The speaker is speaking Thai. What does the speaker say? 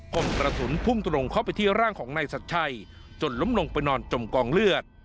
คนกระสุนพุ่งตรงเข้าไปที่ร่างของนายชัดชัยจนล้มลงไปนอนจมกองเลือด